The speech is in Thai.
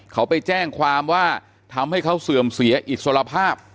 เขาไปแจ้งความว่าทำให้เขาเสื่อมเสียอิสรภาพ